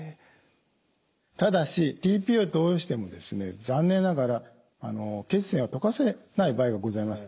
ただしｔ−ＰＡを投与しても残念ながら血栓を溶かせない場合がございます。